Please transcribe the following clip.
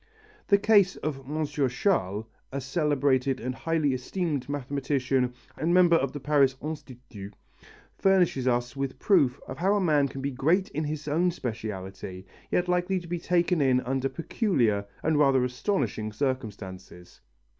The case of M. Chasles, a celebrated and highly esteemed mathematician and member of the Paris Institut, furnishes us with proof of how a man can be great in his own speciality, yet likely to be taken in under peculiar and rather astonishing circumstances.